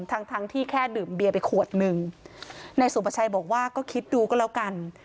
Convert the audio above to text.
ทั้งทั้งที่แค่ดื่มเบียร์ไปขวดหนึ่งนายสุประชัยบอกว่าก็คิดดูก็แล้วกัน